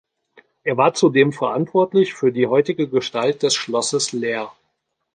Er war zudem verantwortlich für die heutige Gestalt des Schlosses Laer.